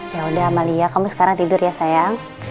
ya udah amalia kamu sekarang tidur ya sayang